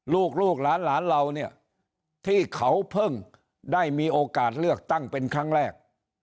ลูกหลานเราเนี่ยที่เขาเพิ่งได้มีโอกาสเลือกตั้งเป็นครั้งแรก